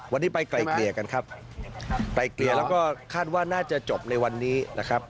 วันนี้ไปไกลเกลี่ยกันครับไกลเกลี่ยแล้วก็คาดว่าน่าจะจบในวันนี้นะครับ